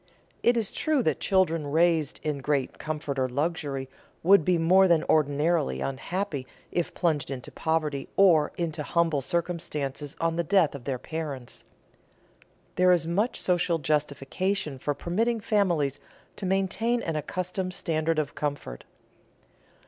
It is true that children raised in great comfort or luxury would be more than ordinarily unhappy if plunged into poverty or even into humble circumstances on the death of their parents. There is much social justification for permitting families to maintain an accustomed standard of comfort.